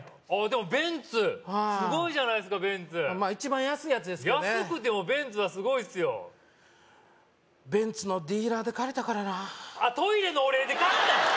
でもベンツすごいじゃないですかベンツ一番安いやつですけどね安くてもベンツはすごいっすよベンツのディーラーで借りたからなあっトイレのお礼で買ったん？